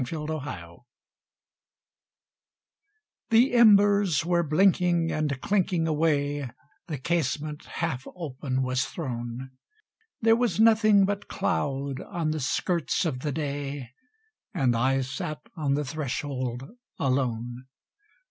Footfalls The embers were blinking and clinking away, The casement half open was thrown; There was nothing but cloud on the skirts of the Day, And I sat on the threshold alone!